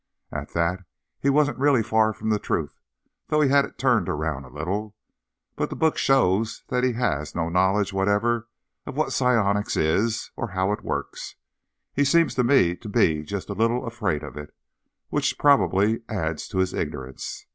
At that, he wasn't really far from the truth, though he had it turned around a little. But the book shows that he has no knowledge whatever of what psionics is, or how it works. He seems to me to be just a little afraid of it, which probably adds to his ignorance.